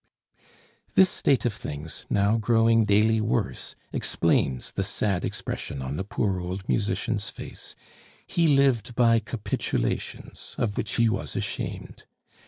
This state of things, now growing daily worse, explains the sad expression on the poor old musician's face; he lived by capitulations of which he was ashamed.